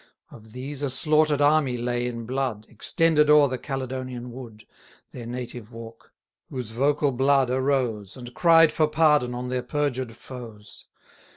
Of these a slaughter'd army lay in blood, Extended o'er the Caledonian wood, Their native walk; whose vocal blood arose, And cried for pardon on their perjured foes.